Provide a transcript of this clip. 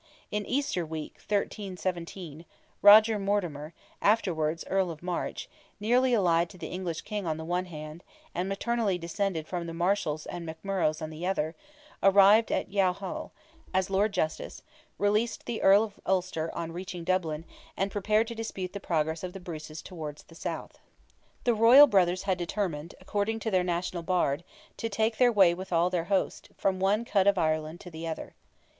In Easter week, 1317, Roger Mortimer, afterwards Earl of March, nearly allied to the English King on the one hand, and maternally descended from the Marshals and McMurroghs on the other, arrived at Youghal, as Lord Justice, released the Earl of Ulster on reaching Dublin, and prepared to dispute the progress of the Bruces towards the South. The royal brothers had determined, according to their national Bard, to take their way with all their host, from one end of Ireland to the other.